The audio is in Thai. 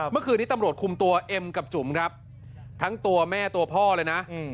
เมื่อคืนนี้ตำรวจคุมตัวเอ็มกับจุ๋มครับทั้งตัวแม่ตัวพ่อเลยนะ